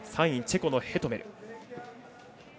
３位、チェコのヘトメル。